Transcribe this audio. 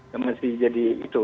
yang masih jadi itu